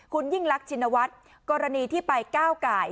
คุณยิ่งรักชินวัฒน์กรณีที่ไปก้าวไก่